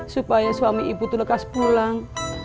supaya suami ibu itu lekas pulang